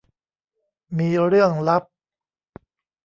มีเรื่องลับ